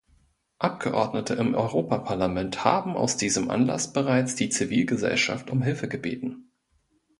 Abgeordnete im Europaparlament haben aus diesem Anlass bereits die „Zivilgesellschaft“ um Hilfe gebeten.